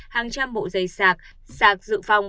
hàng trăm bộ dây sạc sạc dự phòng